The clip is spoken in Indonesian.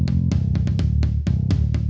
aku mau ke sana